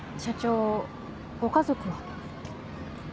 社長ご家族は。